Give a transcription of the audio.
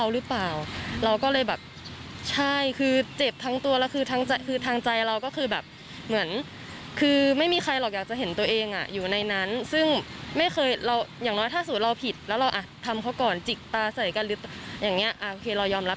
ระบบแบบอย่างนี้ก็ยอมรับ